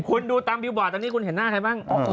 คุณดูตามบิวบอร์ดตอนนี้คุณเห็นหน้าใครบ้าง